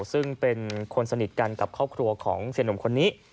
ซึ่งเป็นคนสนิทกันกับครอบครัวของเสียหนุ่มคนนี้